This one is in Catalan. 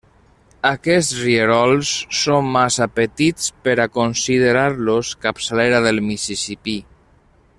Aquests rierols són massa petits per a considerar-los capçalera del Mississipí.